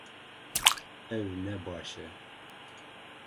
Ew ne baş e